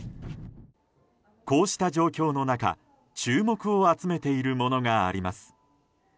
こうした状況の中、注目を集めているものがあります。